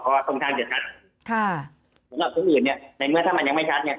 เราสงสัยได้แต่ว่าว่าคุณไม่ชัดเนี่ย